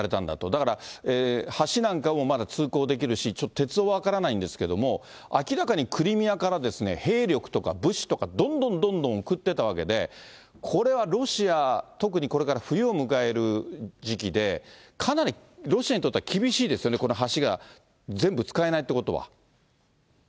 だから、橋なんかもまだ通行できるし、ちょっと、鉄道は分からないんですけども、明らかにクリミアから兵力とか物資とか、どんどんどんどん送ってたわけで、これはロシア、特にこれから冬を迎える時期で、かなりロシアにとっては厳しいですよね、この橋が全部使えないということは。